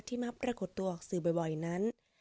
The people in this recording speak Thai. มาปรากฏตัวออกสื่อบ่อยนั้น